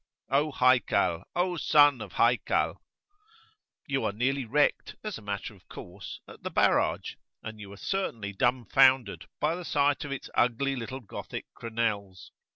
O Haykal! O son of Haykal[FN#2]!" You are nearly wrecked, as a matter of course, at the Barrage; and you are certainly dumbfoundered by the sight of its ugly little Gothic crenelles.